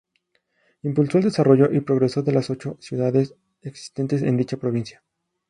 Impulsó el desarrollo y progreso de las ocho ciudades existentes en dicha provincia.